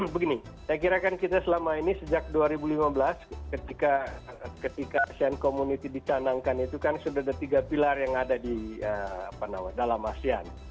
begini saya kira kan kita selama ini sejak dua ribu lima belas ketika asean community dicanangkan itu kan sudah ada tiga pilar yang ada di dalam asean